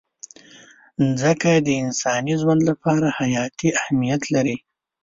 مځکه د انساني ژوند لپاره حیاتي اهمیت لري.